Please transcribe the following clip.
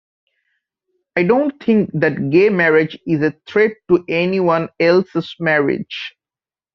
I don't think that gay marriage is a threat to anyone else's marriage.